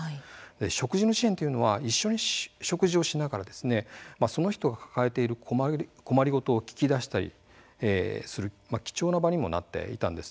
食事の支援というのは一緒に食事をしながらその人が抱えている困り事を聞き出したりする貴重な場にもなっていたんです。